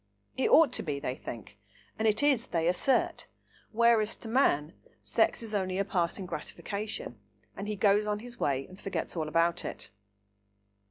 It ought to be, they think; and it is, they assert; whereas, to man, sex is only a passing gratification, and he goes on his way and forgets all about it.